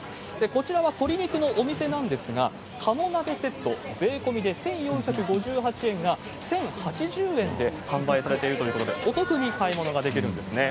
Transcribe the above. こちらは鶏肉のお店なんですが、カモ鍋セット、税込みで１４５８円が１０８０円で販売されているということで、お得に買い物ができるんですね。